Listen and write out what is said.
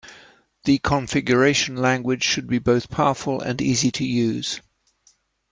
The configuration language should be both powerful and easy to use.